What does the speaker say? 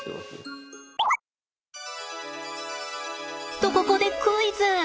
とここでクイズ！